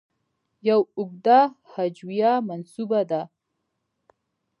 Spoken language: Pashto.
یو اوږده هجویه منسوبه ده.